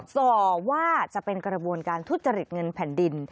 ส่อว่าจะเป็นกระบวนการทุจริตเงินแผ่นดิน